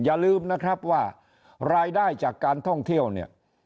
อย่าลืมนะครับว่ารายได้จากการท่องเที่ยวเนี่ย